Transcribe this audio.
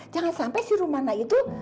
jangan sampai si rumana itu